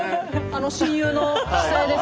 親友の久恵です。